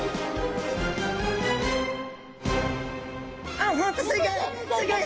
あっ本当すギョい！